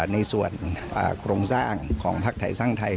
ในส่วนโครงสร้างของภักดิ์ไทยสร้างไทย